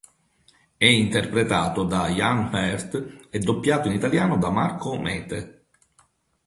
È interpretato da Ian Hart e doppiato in italiano da Marco Mete.